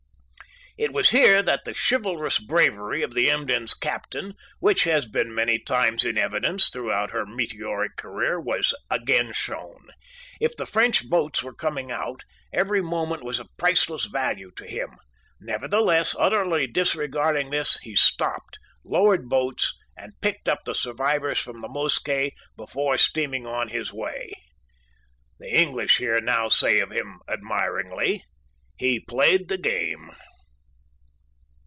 It was here that the chivalrous bravery of the Emden's Captain, which has been many times in evidence throughout her meteoric career, was again shown. If the French boats were coming out, every moment was of priceless value to him. Nevertheless, utterly disregarding this, he stopped, lowered boats, and picked up the survivors from the Mosquet before steaming on his way. The English here now say of him, admiringly, "He played the game."